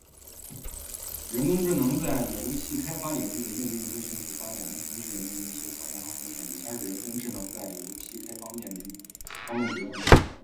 人工智能在油气开发领域的应用正迅速发展，但同时也面临一些挑战和风险。以下是人工智能在油气开发方面面临的主要挑战与风险：